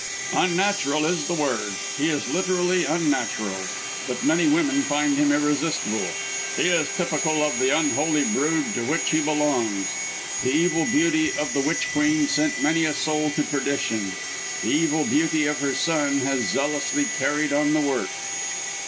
"Unnatural is the word; he is literally unnatural; but many women find him irresistible; he is typical of the unholy brood to which he belongs. The evil beauty of the Witch Queen sent many a soul to perdition; the evil beauty of her son has zealously carried on the work."